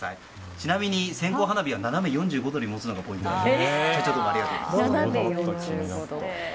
ちなみに線香花火は斜め４５度に持つのがポイントだそうです。